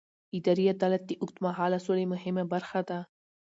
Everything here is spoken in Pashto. اداري عدالت د اوږدمهاله سولې مهمه برخه ده